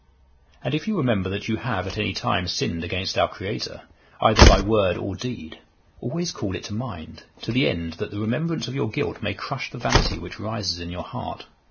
And if you remember that you have at any time sinned against our Creator, either by word or deed, always call it to mind, to the end that the remembrance of your guilt may crush the vanity which rises in your heart.